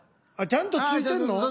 ちゃんと付いてんの？